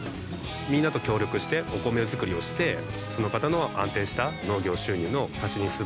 みんなと協力してお米作りをしてその方の安定した農業収入の足しにするような。